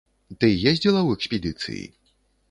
Ты ездзіла ў экспедыцыі?